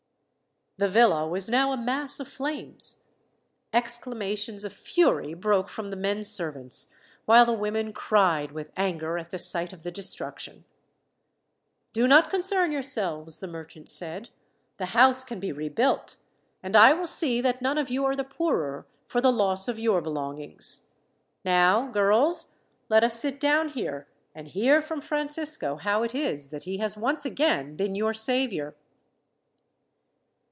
The villa was now a mass of flames. Exclamations of fury broke from the men servants, while the women cried with anger at the sight of the destruction. "Do not concern yourselves," the merchant said. "The house can be rebuilt, and I will see that none of you are the poorer for the loss of your belongings. "Now, girls, let us sit down here and hear from Francisco how it is that he has once again been your saviour."